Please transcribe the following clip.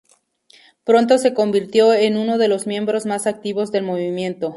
Pronto se convirtió en uno de los miembros más activos del movimiento.